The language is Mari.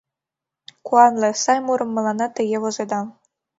Куанле, сай мурым мыланна Тыге возеда.